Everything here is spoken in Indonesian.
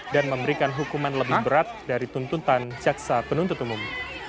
dan memberikan hukuman lebih berat dari tuntutan jaksa penuntut umum